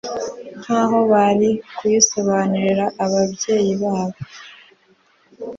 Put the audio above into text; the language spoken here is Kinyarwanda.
nka ho bari kuyisobanurira ababyeyi babo